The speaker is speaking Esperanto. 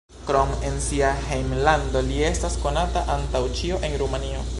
Krom en sia hejmlando li estas konata antaŭ ĉio en Rumanio.